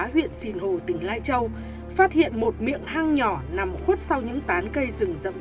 huyện sinh hồ tỉnh lai châu phát hiện một miệng hang nhỏ nằm khuất sau những tán cây rừng rậm